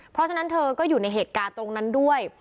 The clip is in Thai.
เพราะฉะนั้นเธอก็อยู่ในเหตุการณ์ตรงนั้นด้วย